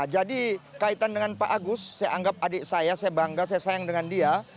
jadi kaitan dengan pak agus saya anggap adik saya saya bangga saya sayang dengan dia